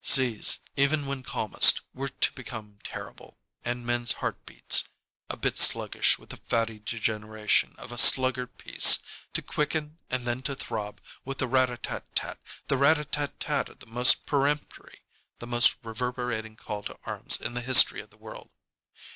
Seas, even when calmest, were to become terrible, and men's heart beats, a bit sluggish with the fatty degeneration of a sluggard peace, to quicken and then to throb with the rat a tat tat, the rat a tat tat of the most peremptory, the most reverberating call to arms in the history of the world.